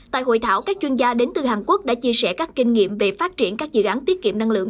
tại hội thảo các chuyên gia đến từ hàn quốc đã chia sẻ các kinh nghiệm về phát triển các dự án tiết kiệm năng lượng